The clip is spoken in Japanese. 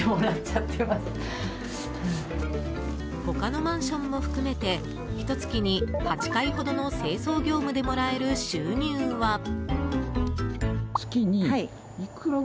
他のマンションも含めてひと月に８回ほどの清掃業務でもらえる収入は。